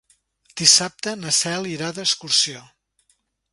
Dissabte na Cel irà d'excursió.